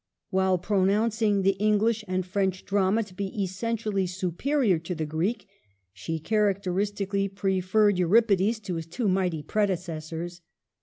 While pronouncing the Eng lish and French drama to be essentially superior to the Greek, she characteristically preferred Euripides to his two mighty predecessors.